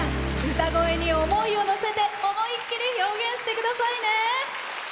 歌声に思いをのせて思い切り表現してくださいね！